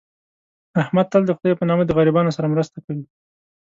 احمد تل دخدی په نامه د غریبانو سره مرسته کوي.